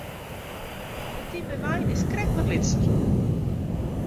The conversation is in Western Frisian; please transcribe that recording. It type wein is krekt wat lytser.